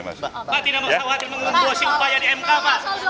pak tidak mau khawatir mengembosi upaya di mk pak